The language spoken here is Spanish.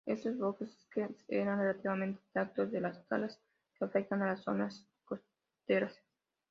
Estos bosques están relativamente intactos de las talas que afectan a las zonas costeras.